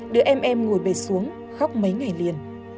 đưa em em ngồi bệt xuống khóc mấy ngày liền